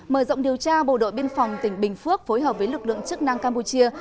mở rộng điều tra bộ đội biên phòng tỉnh bình phước phối hợp với lực lượng chức năng campuchia